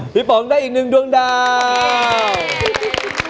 ป๋องได้อีกหนึ่งดวงดาว